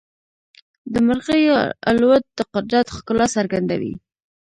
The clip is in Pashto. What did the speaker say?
د مرغیو الوت د قدرت ښکلا څرګندوي.